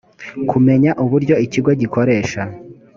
kumenya uburyo ikigo gikoresha